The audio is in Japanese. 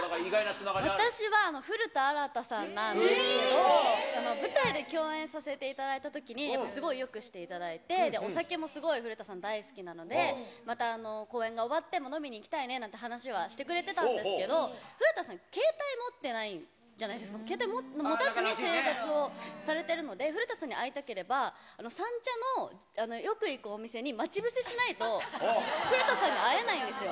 私は古田新太さんなんですけど、舞台で共演させていただいたときに、やっぱりすごくよくしていただいて、お酒もすごい古田さん大好きなので、また、公演が終わっても飲みに行きたいねなんていう話はしてくれてたんですけれども、古田さん携帯持ってないじゃないですか、携帯持たずに生活をされてるので、古田さんに会いたければ、三茶のよく行くお店に待ち伏せしないと、古田さんに会えないんですよ。